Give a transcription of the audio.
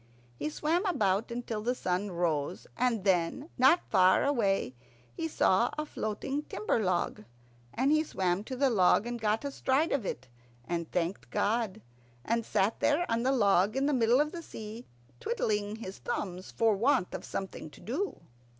He swam about until the sun rose, and then, not far away, he saw a floating timber log, and he swam to the log, and got astride of it, and thanked God. And he sat there on the log in the middle of the sea, twiddling his thumbs for want of something to do.